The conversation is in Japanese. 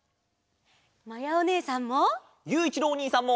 まやおねえさんも！